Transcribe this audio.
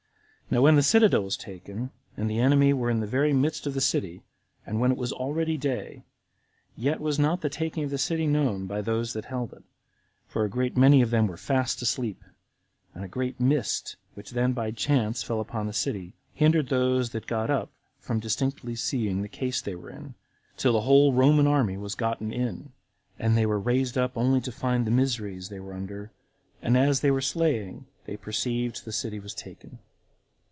Now when the citadel was taken, and the enemy were in the very midst of the city, and when it was already day, yet was not the taking of the city known by those that held it; for a great many of them were fast asleep, and a great mist, which then by chance fell upon the city, hindered those that got up from distinctly seeing the case they were in, till the whole Roman army was gotten in, and they were raised up only to find the miseries they were under; and as they were slaying, they perceived the city was taken.